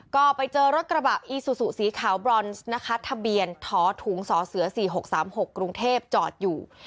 ก็ไปเจอรถกระบะอีซูซูสีขาวบรอนซ์นะคะทะเบียนท้อถุงสเส๔๖๓๖กรุงเทพจอดอยู่